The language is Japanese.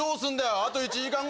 あと１時間後だぞ？